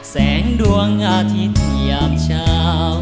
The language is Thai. แสงดวงอาทิตย์ยามเช้า